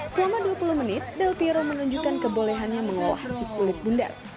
selama dua puluh menit delpiro menunjukkan kebolehannya mengolah si kulit bundar